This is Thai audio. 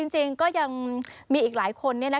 จริงก็ยังมีอีกหลายคน